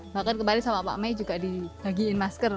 bahkan kebalik sama pak may juga dibagiin masker